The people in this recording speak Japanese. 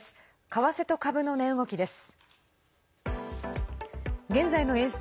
為替と株の値動きです。